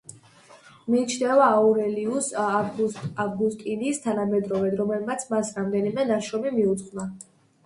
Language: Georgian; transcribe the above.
მიიჩნევა აურელიუს ავგუსტინის თანამედროვედ, რომელმაც მას რამდენიმე ნაშრომი მიუძღვნა.